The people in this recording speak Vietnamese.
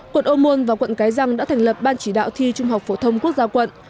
quận ô môn và quận cái răng đã thành lập ban chỉ đạo thi trung học phổ thông quốc gia quận